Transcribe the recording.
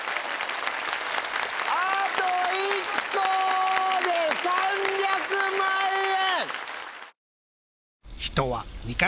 あと１個で３００万円。